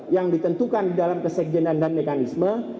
yang ditentukan di dalam kesekjenan dan mekanisme